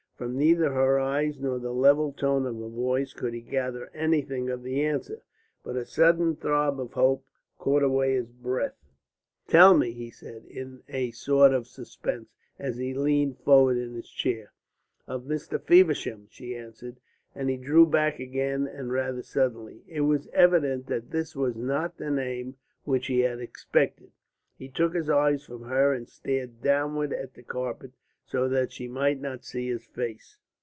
From neither her eyes nor the level tone of her voice could he gather anything of the answer, but a sudden throb of hope caught away his breath. "Tell me!" he said, in a sort of suspense, as he leaned forward in his chair. "Of Mr. Feversham," she answered, and he drew back again, and rather suddenly. It was evident that this was not the name which he had expected. He took his eyes from hers and stared downwards at the carpet, so that she might not see his face.